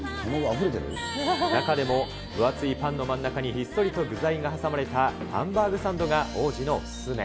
中でも分厚いパンの真ん中にひっそりと具材が挟まれたハンバーグサンドが王子のお勧め。